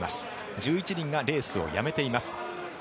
１１人がレースをやめています。